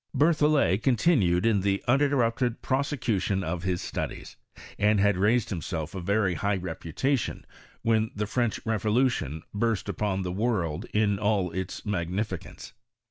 Berthollet continued in the uninterrupted prose cution of his studies, and had raised himself a very high reputation when the French revolution burst upon the world in all its magnificence.